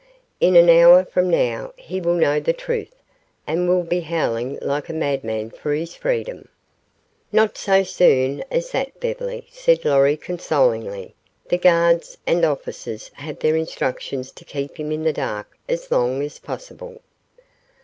"In an hour from now he will know the truth and will be howling like a madman for his freedom." "Not so soon as that, Beverly," said Lorry consolingly. "The guards and officers have their instructions to keep him in the dark as long as possible."